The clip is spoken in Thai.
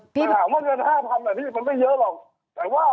มีธรรมะที่อยู่ข้างหน้า